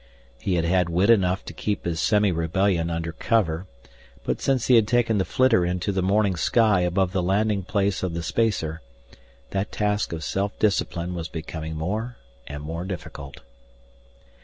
He had had wit enough to keep his semirebellion under cover, but since he had taken the flitter into the morning sky above the landing place of the spacer, that task of self discipline was becoming more and more difficult.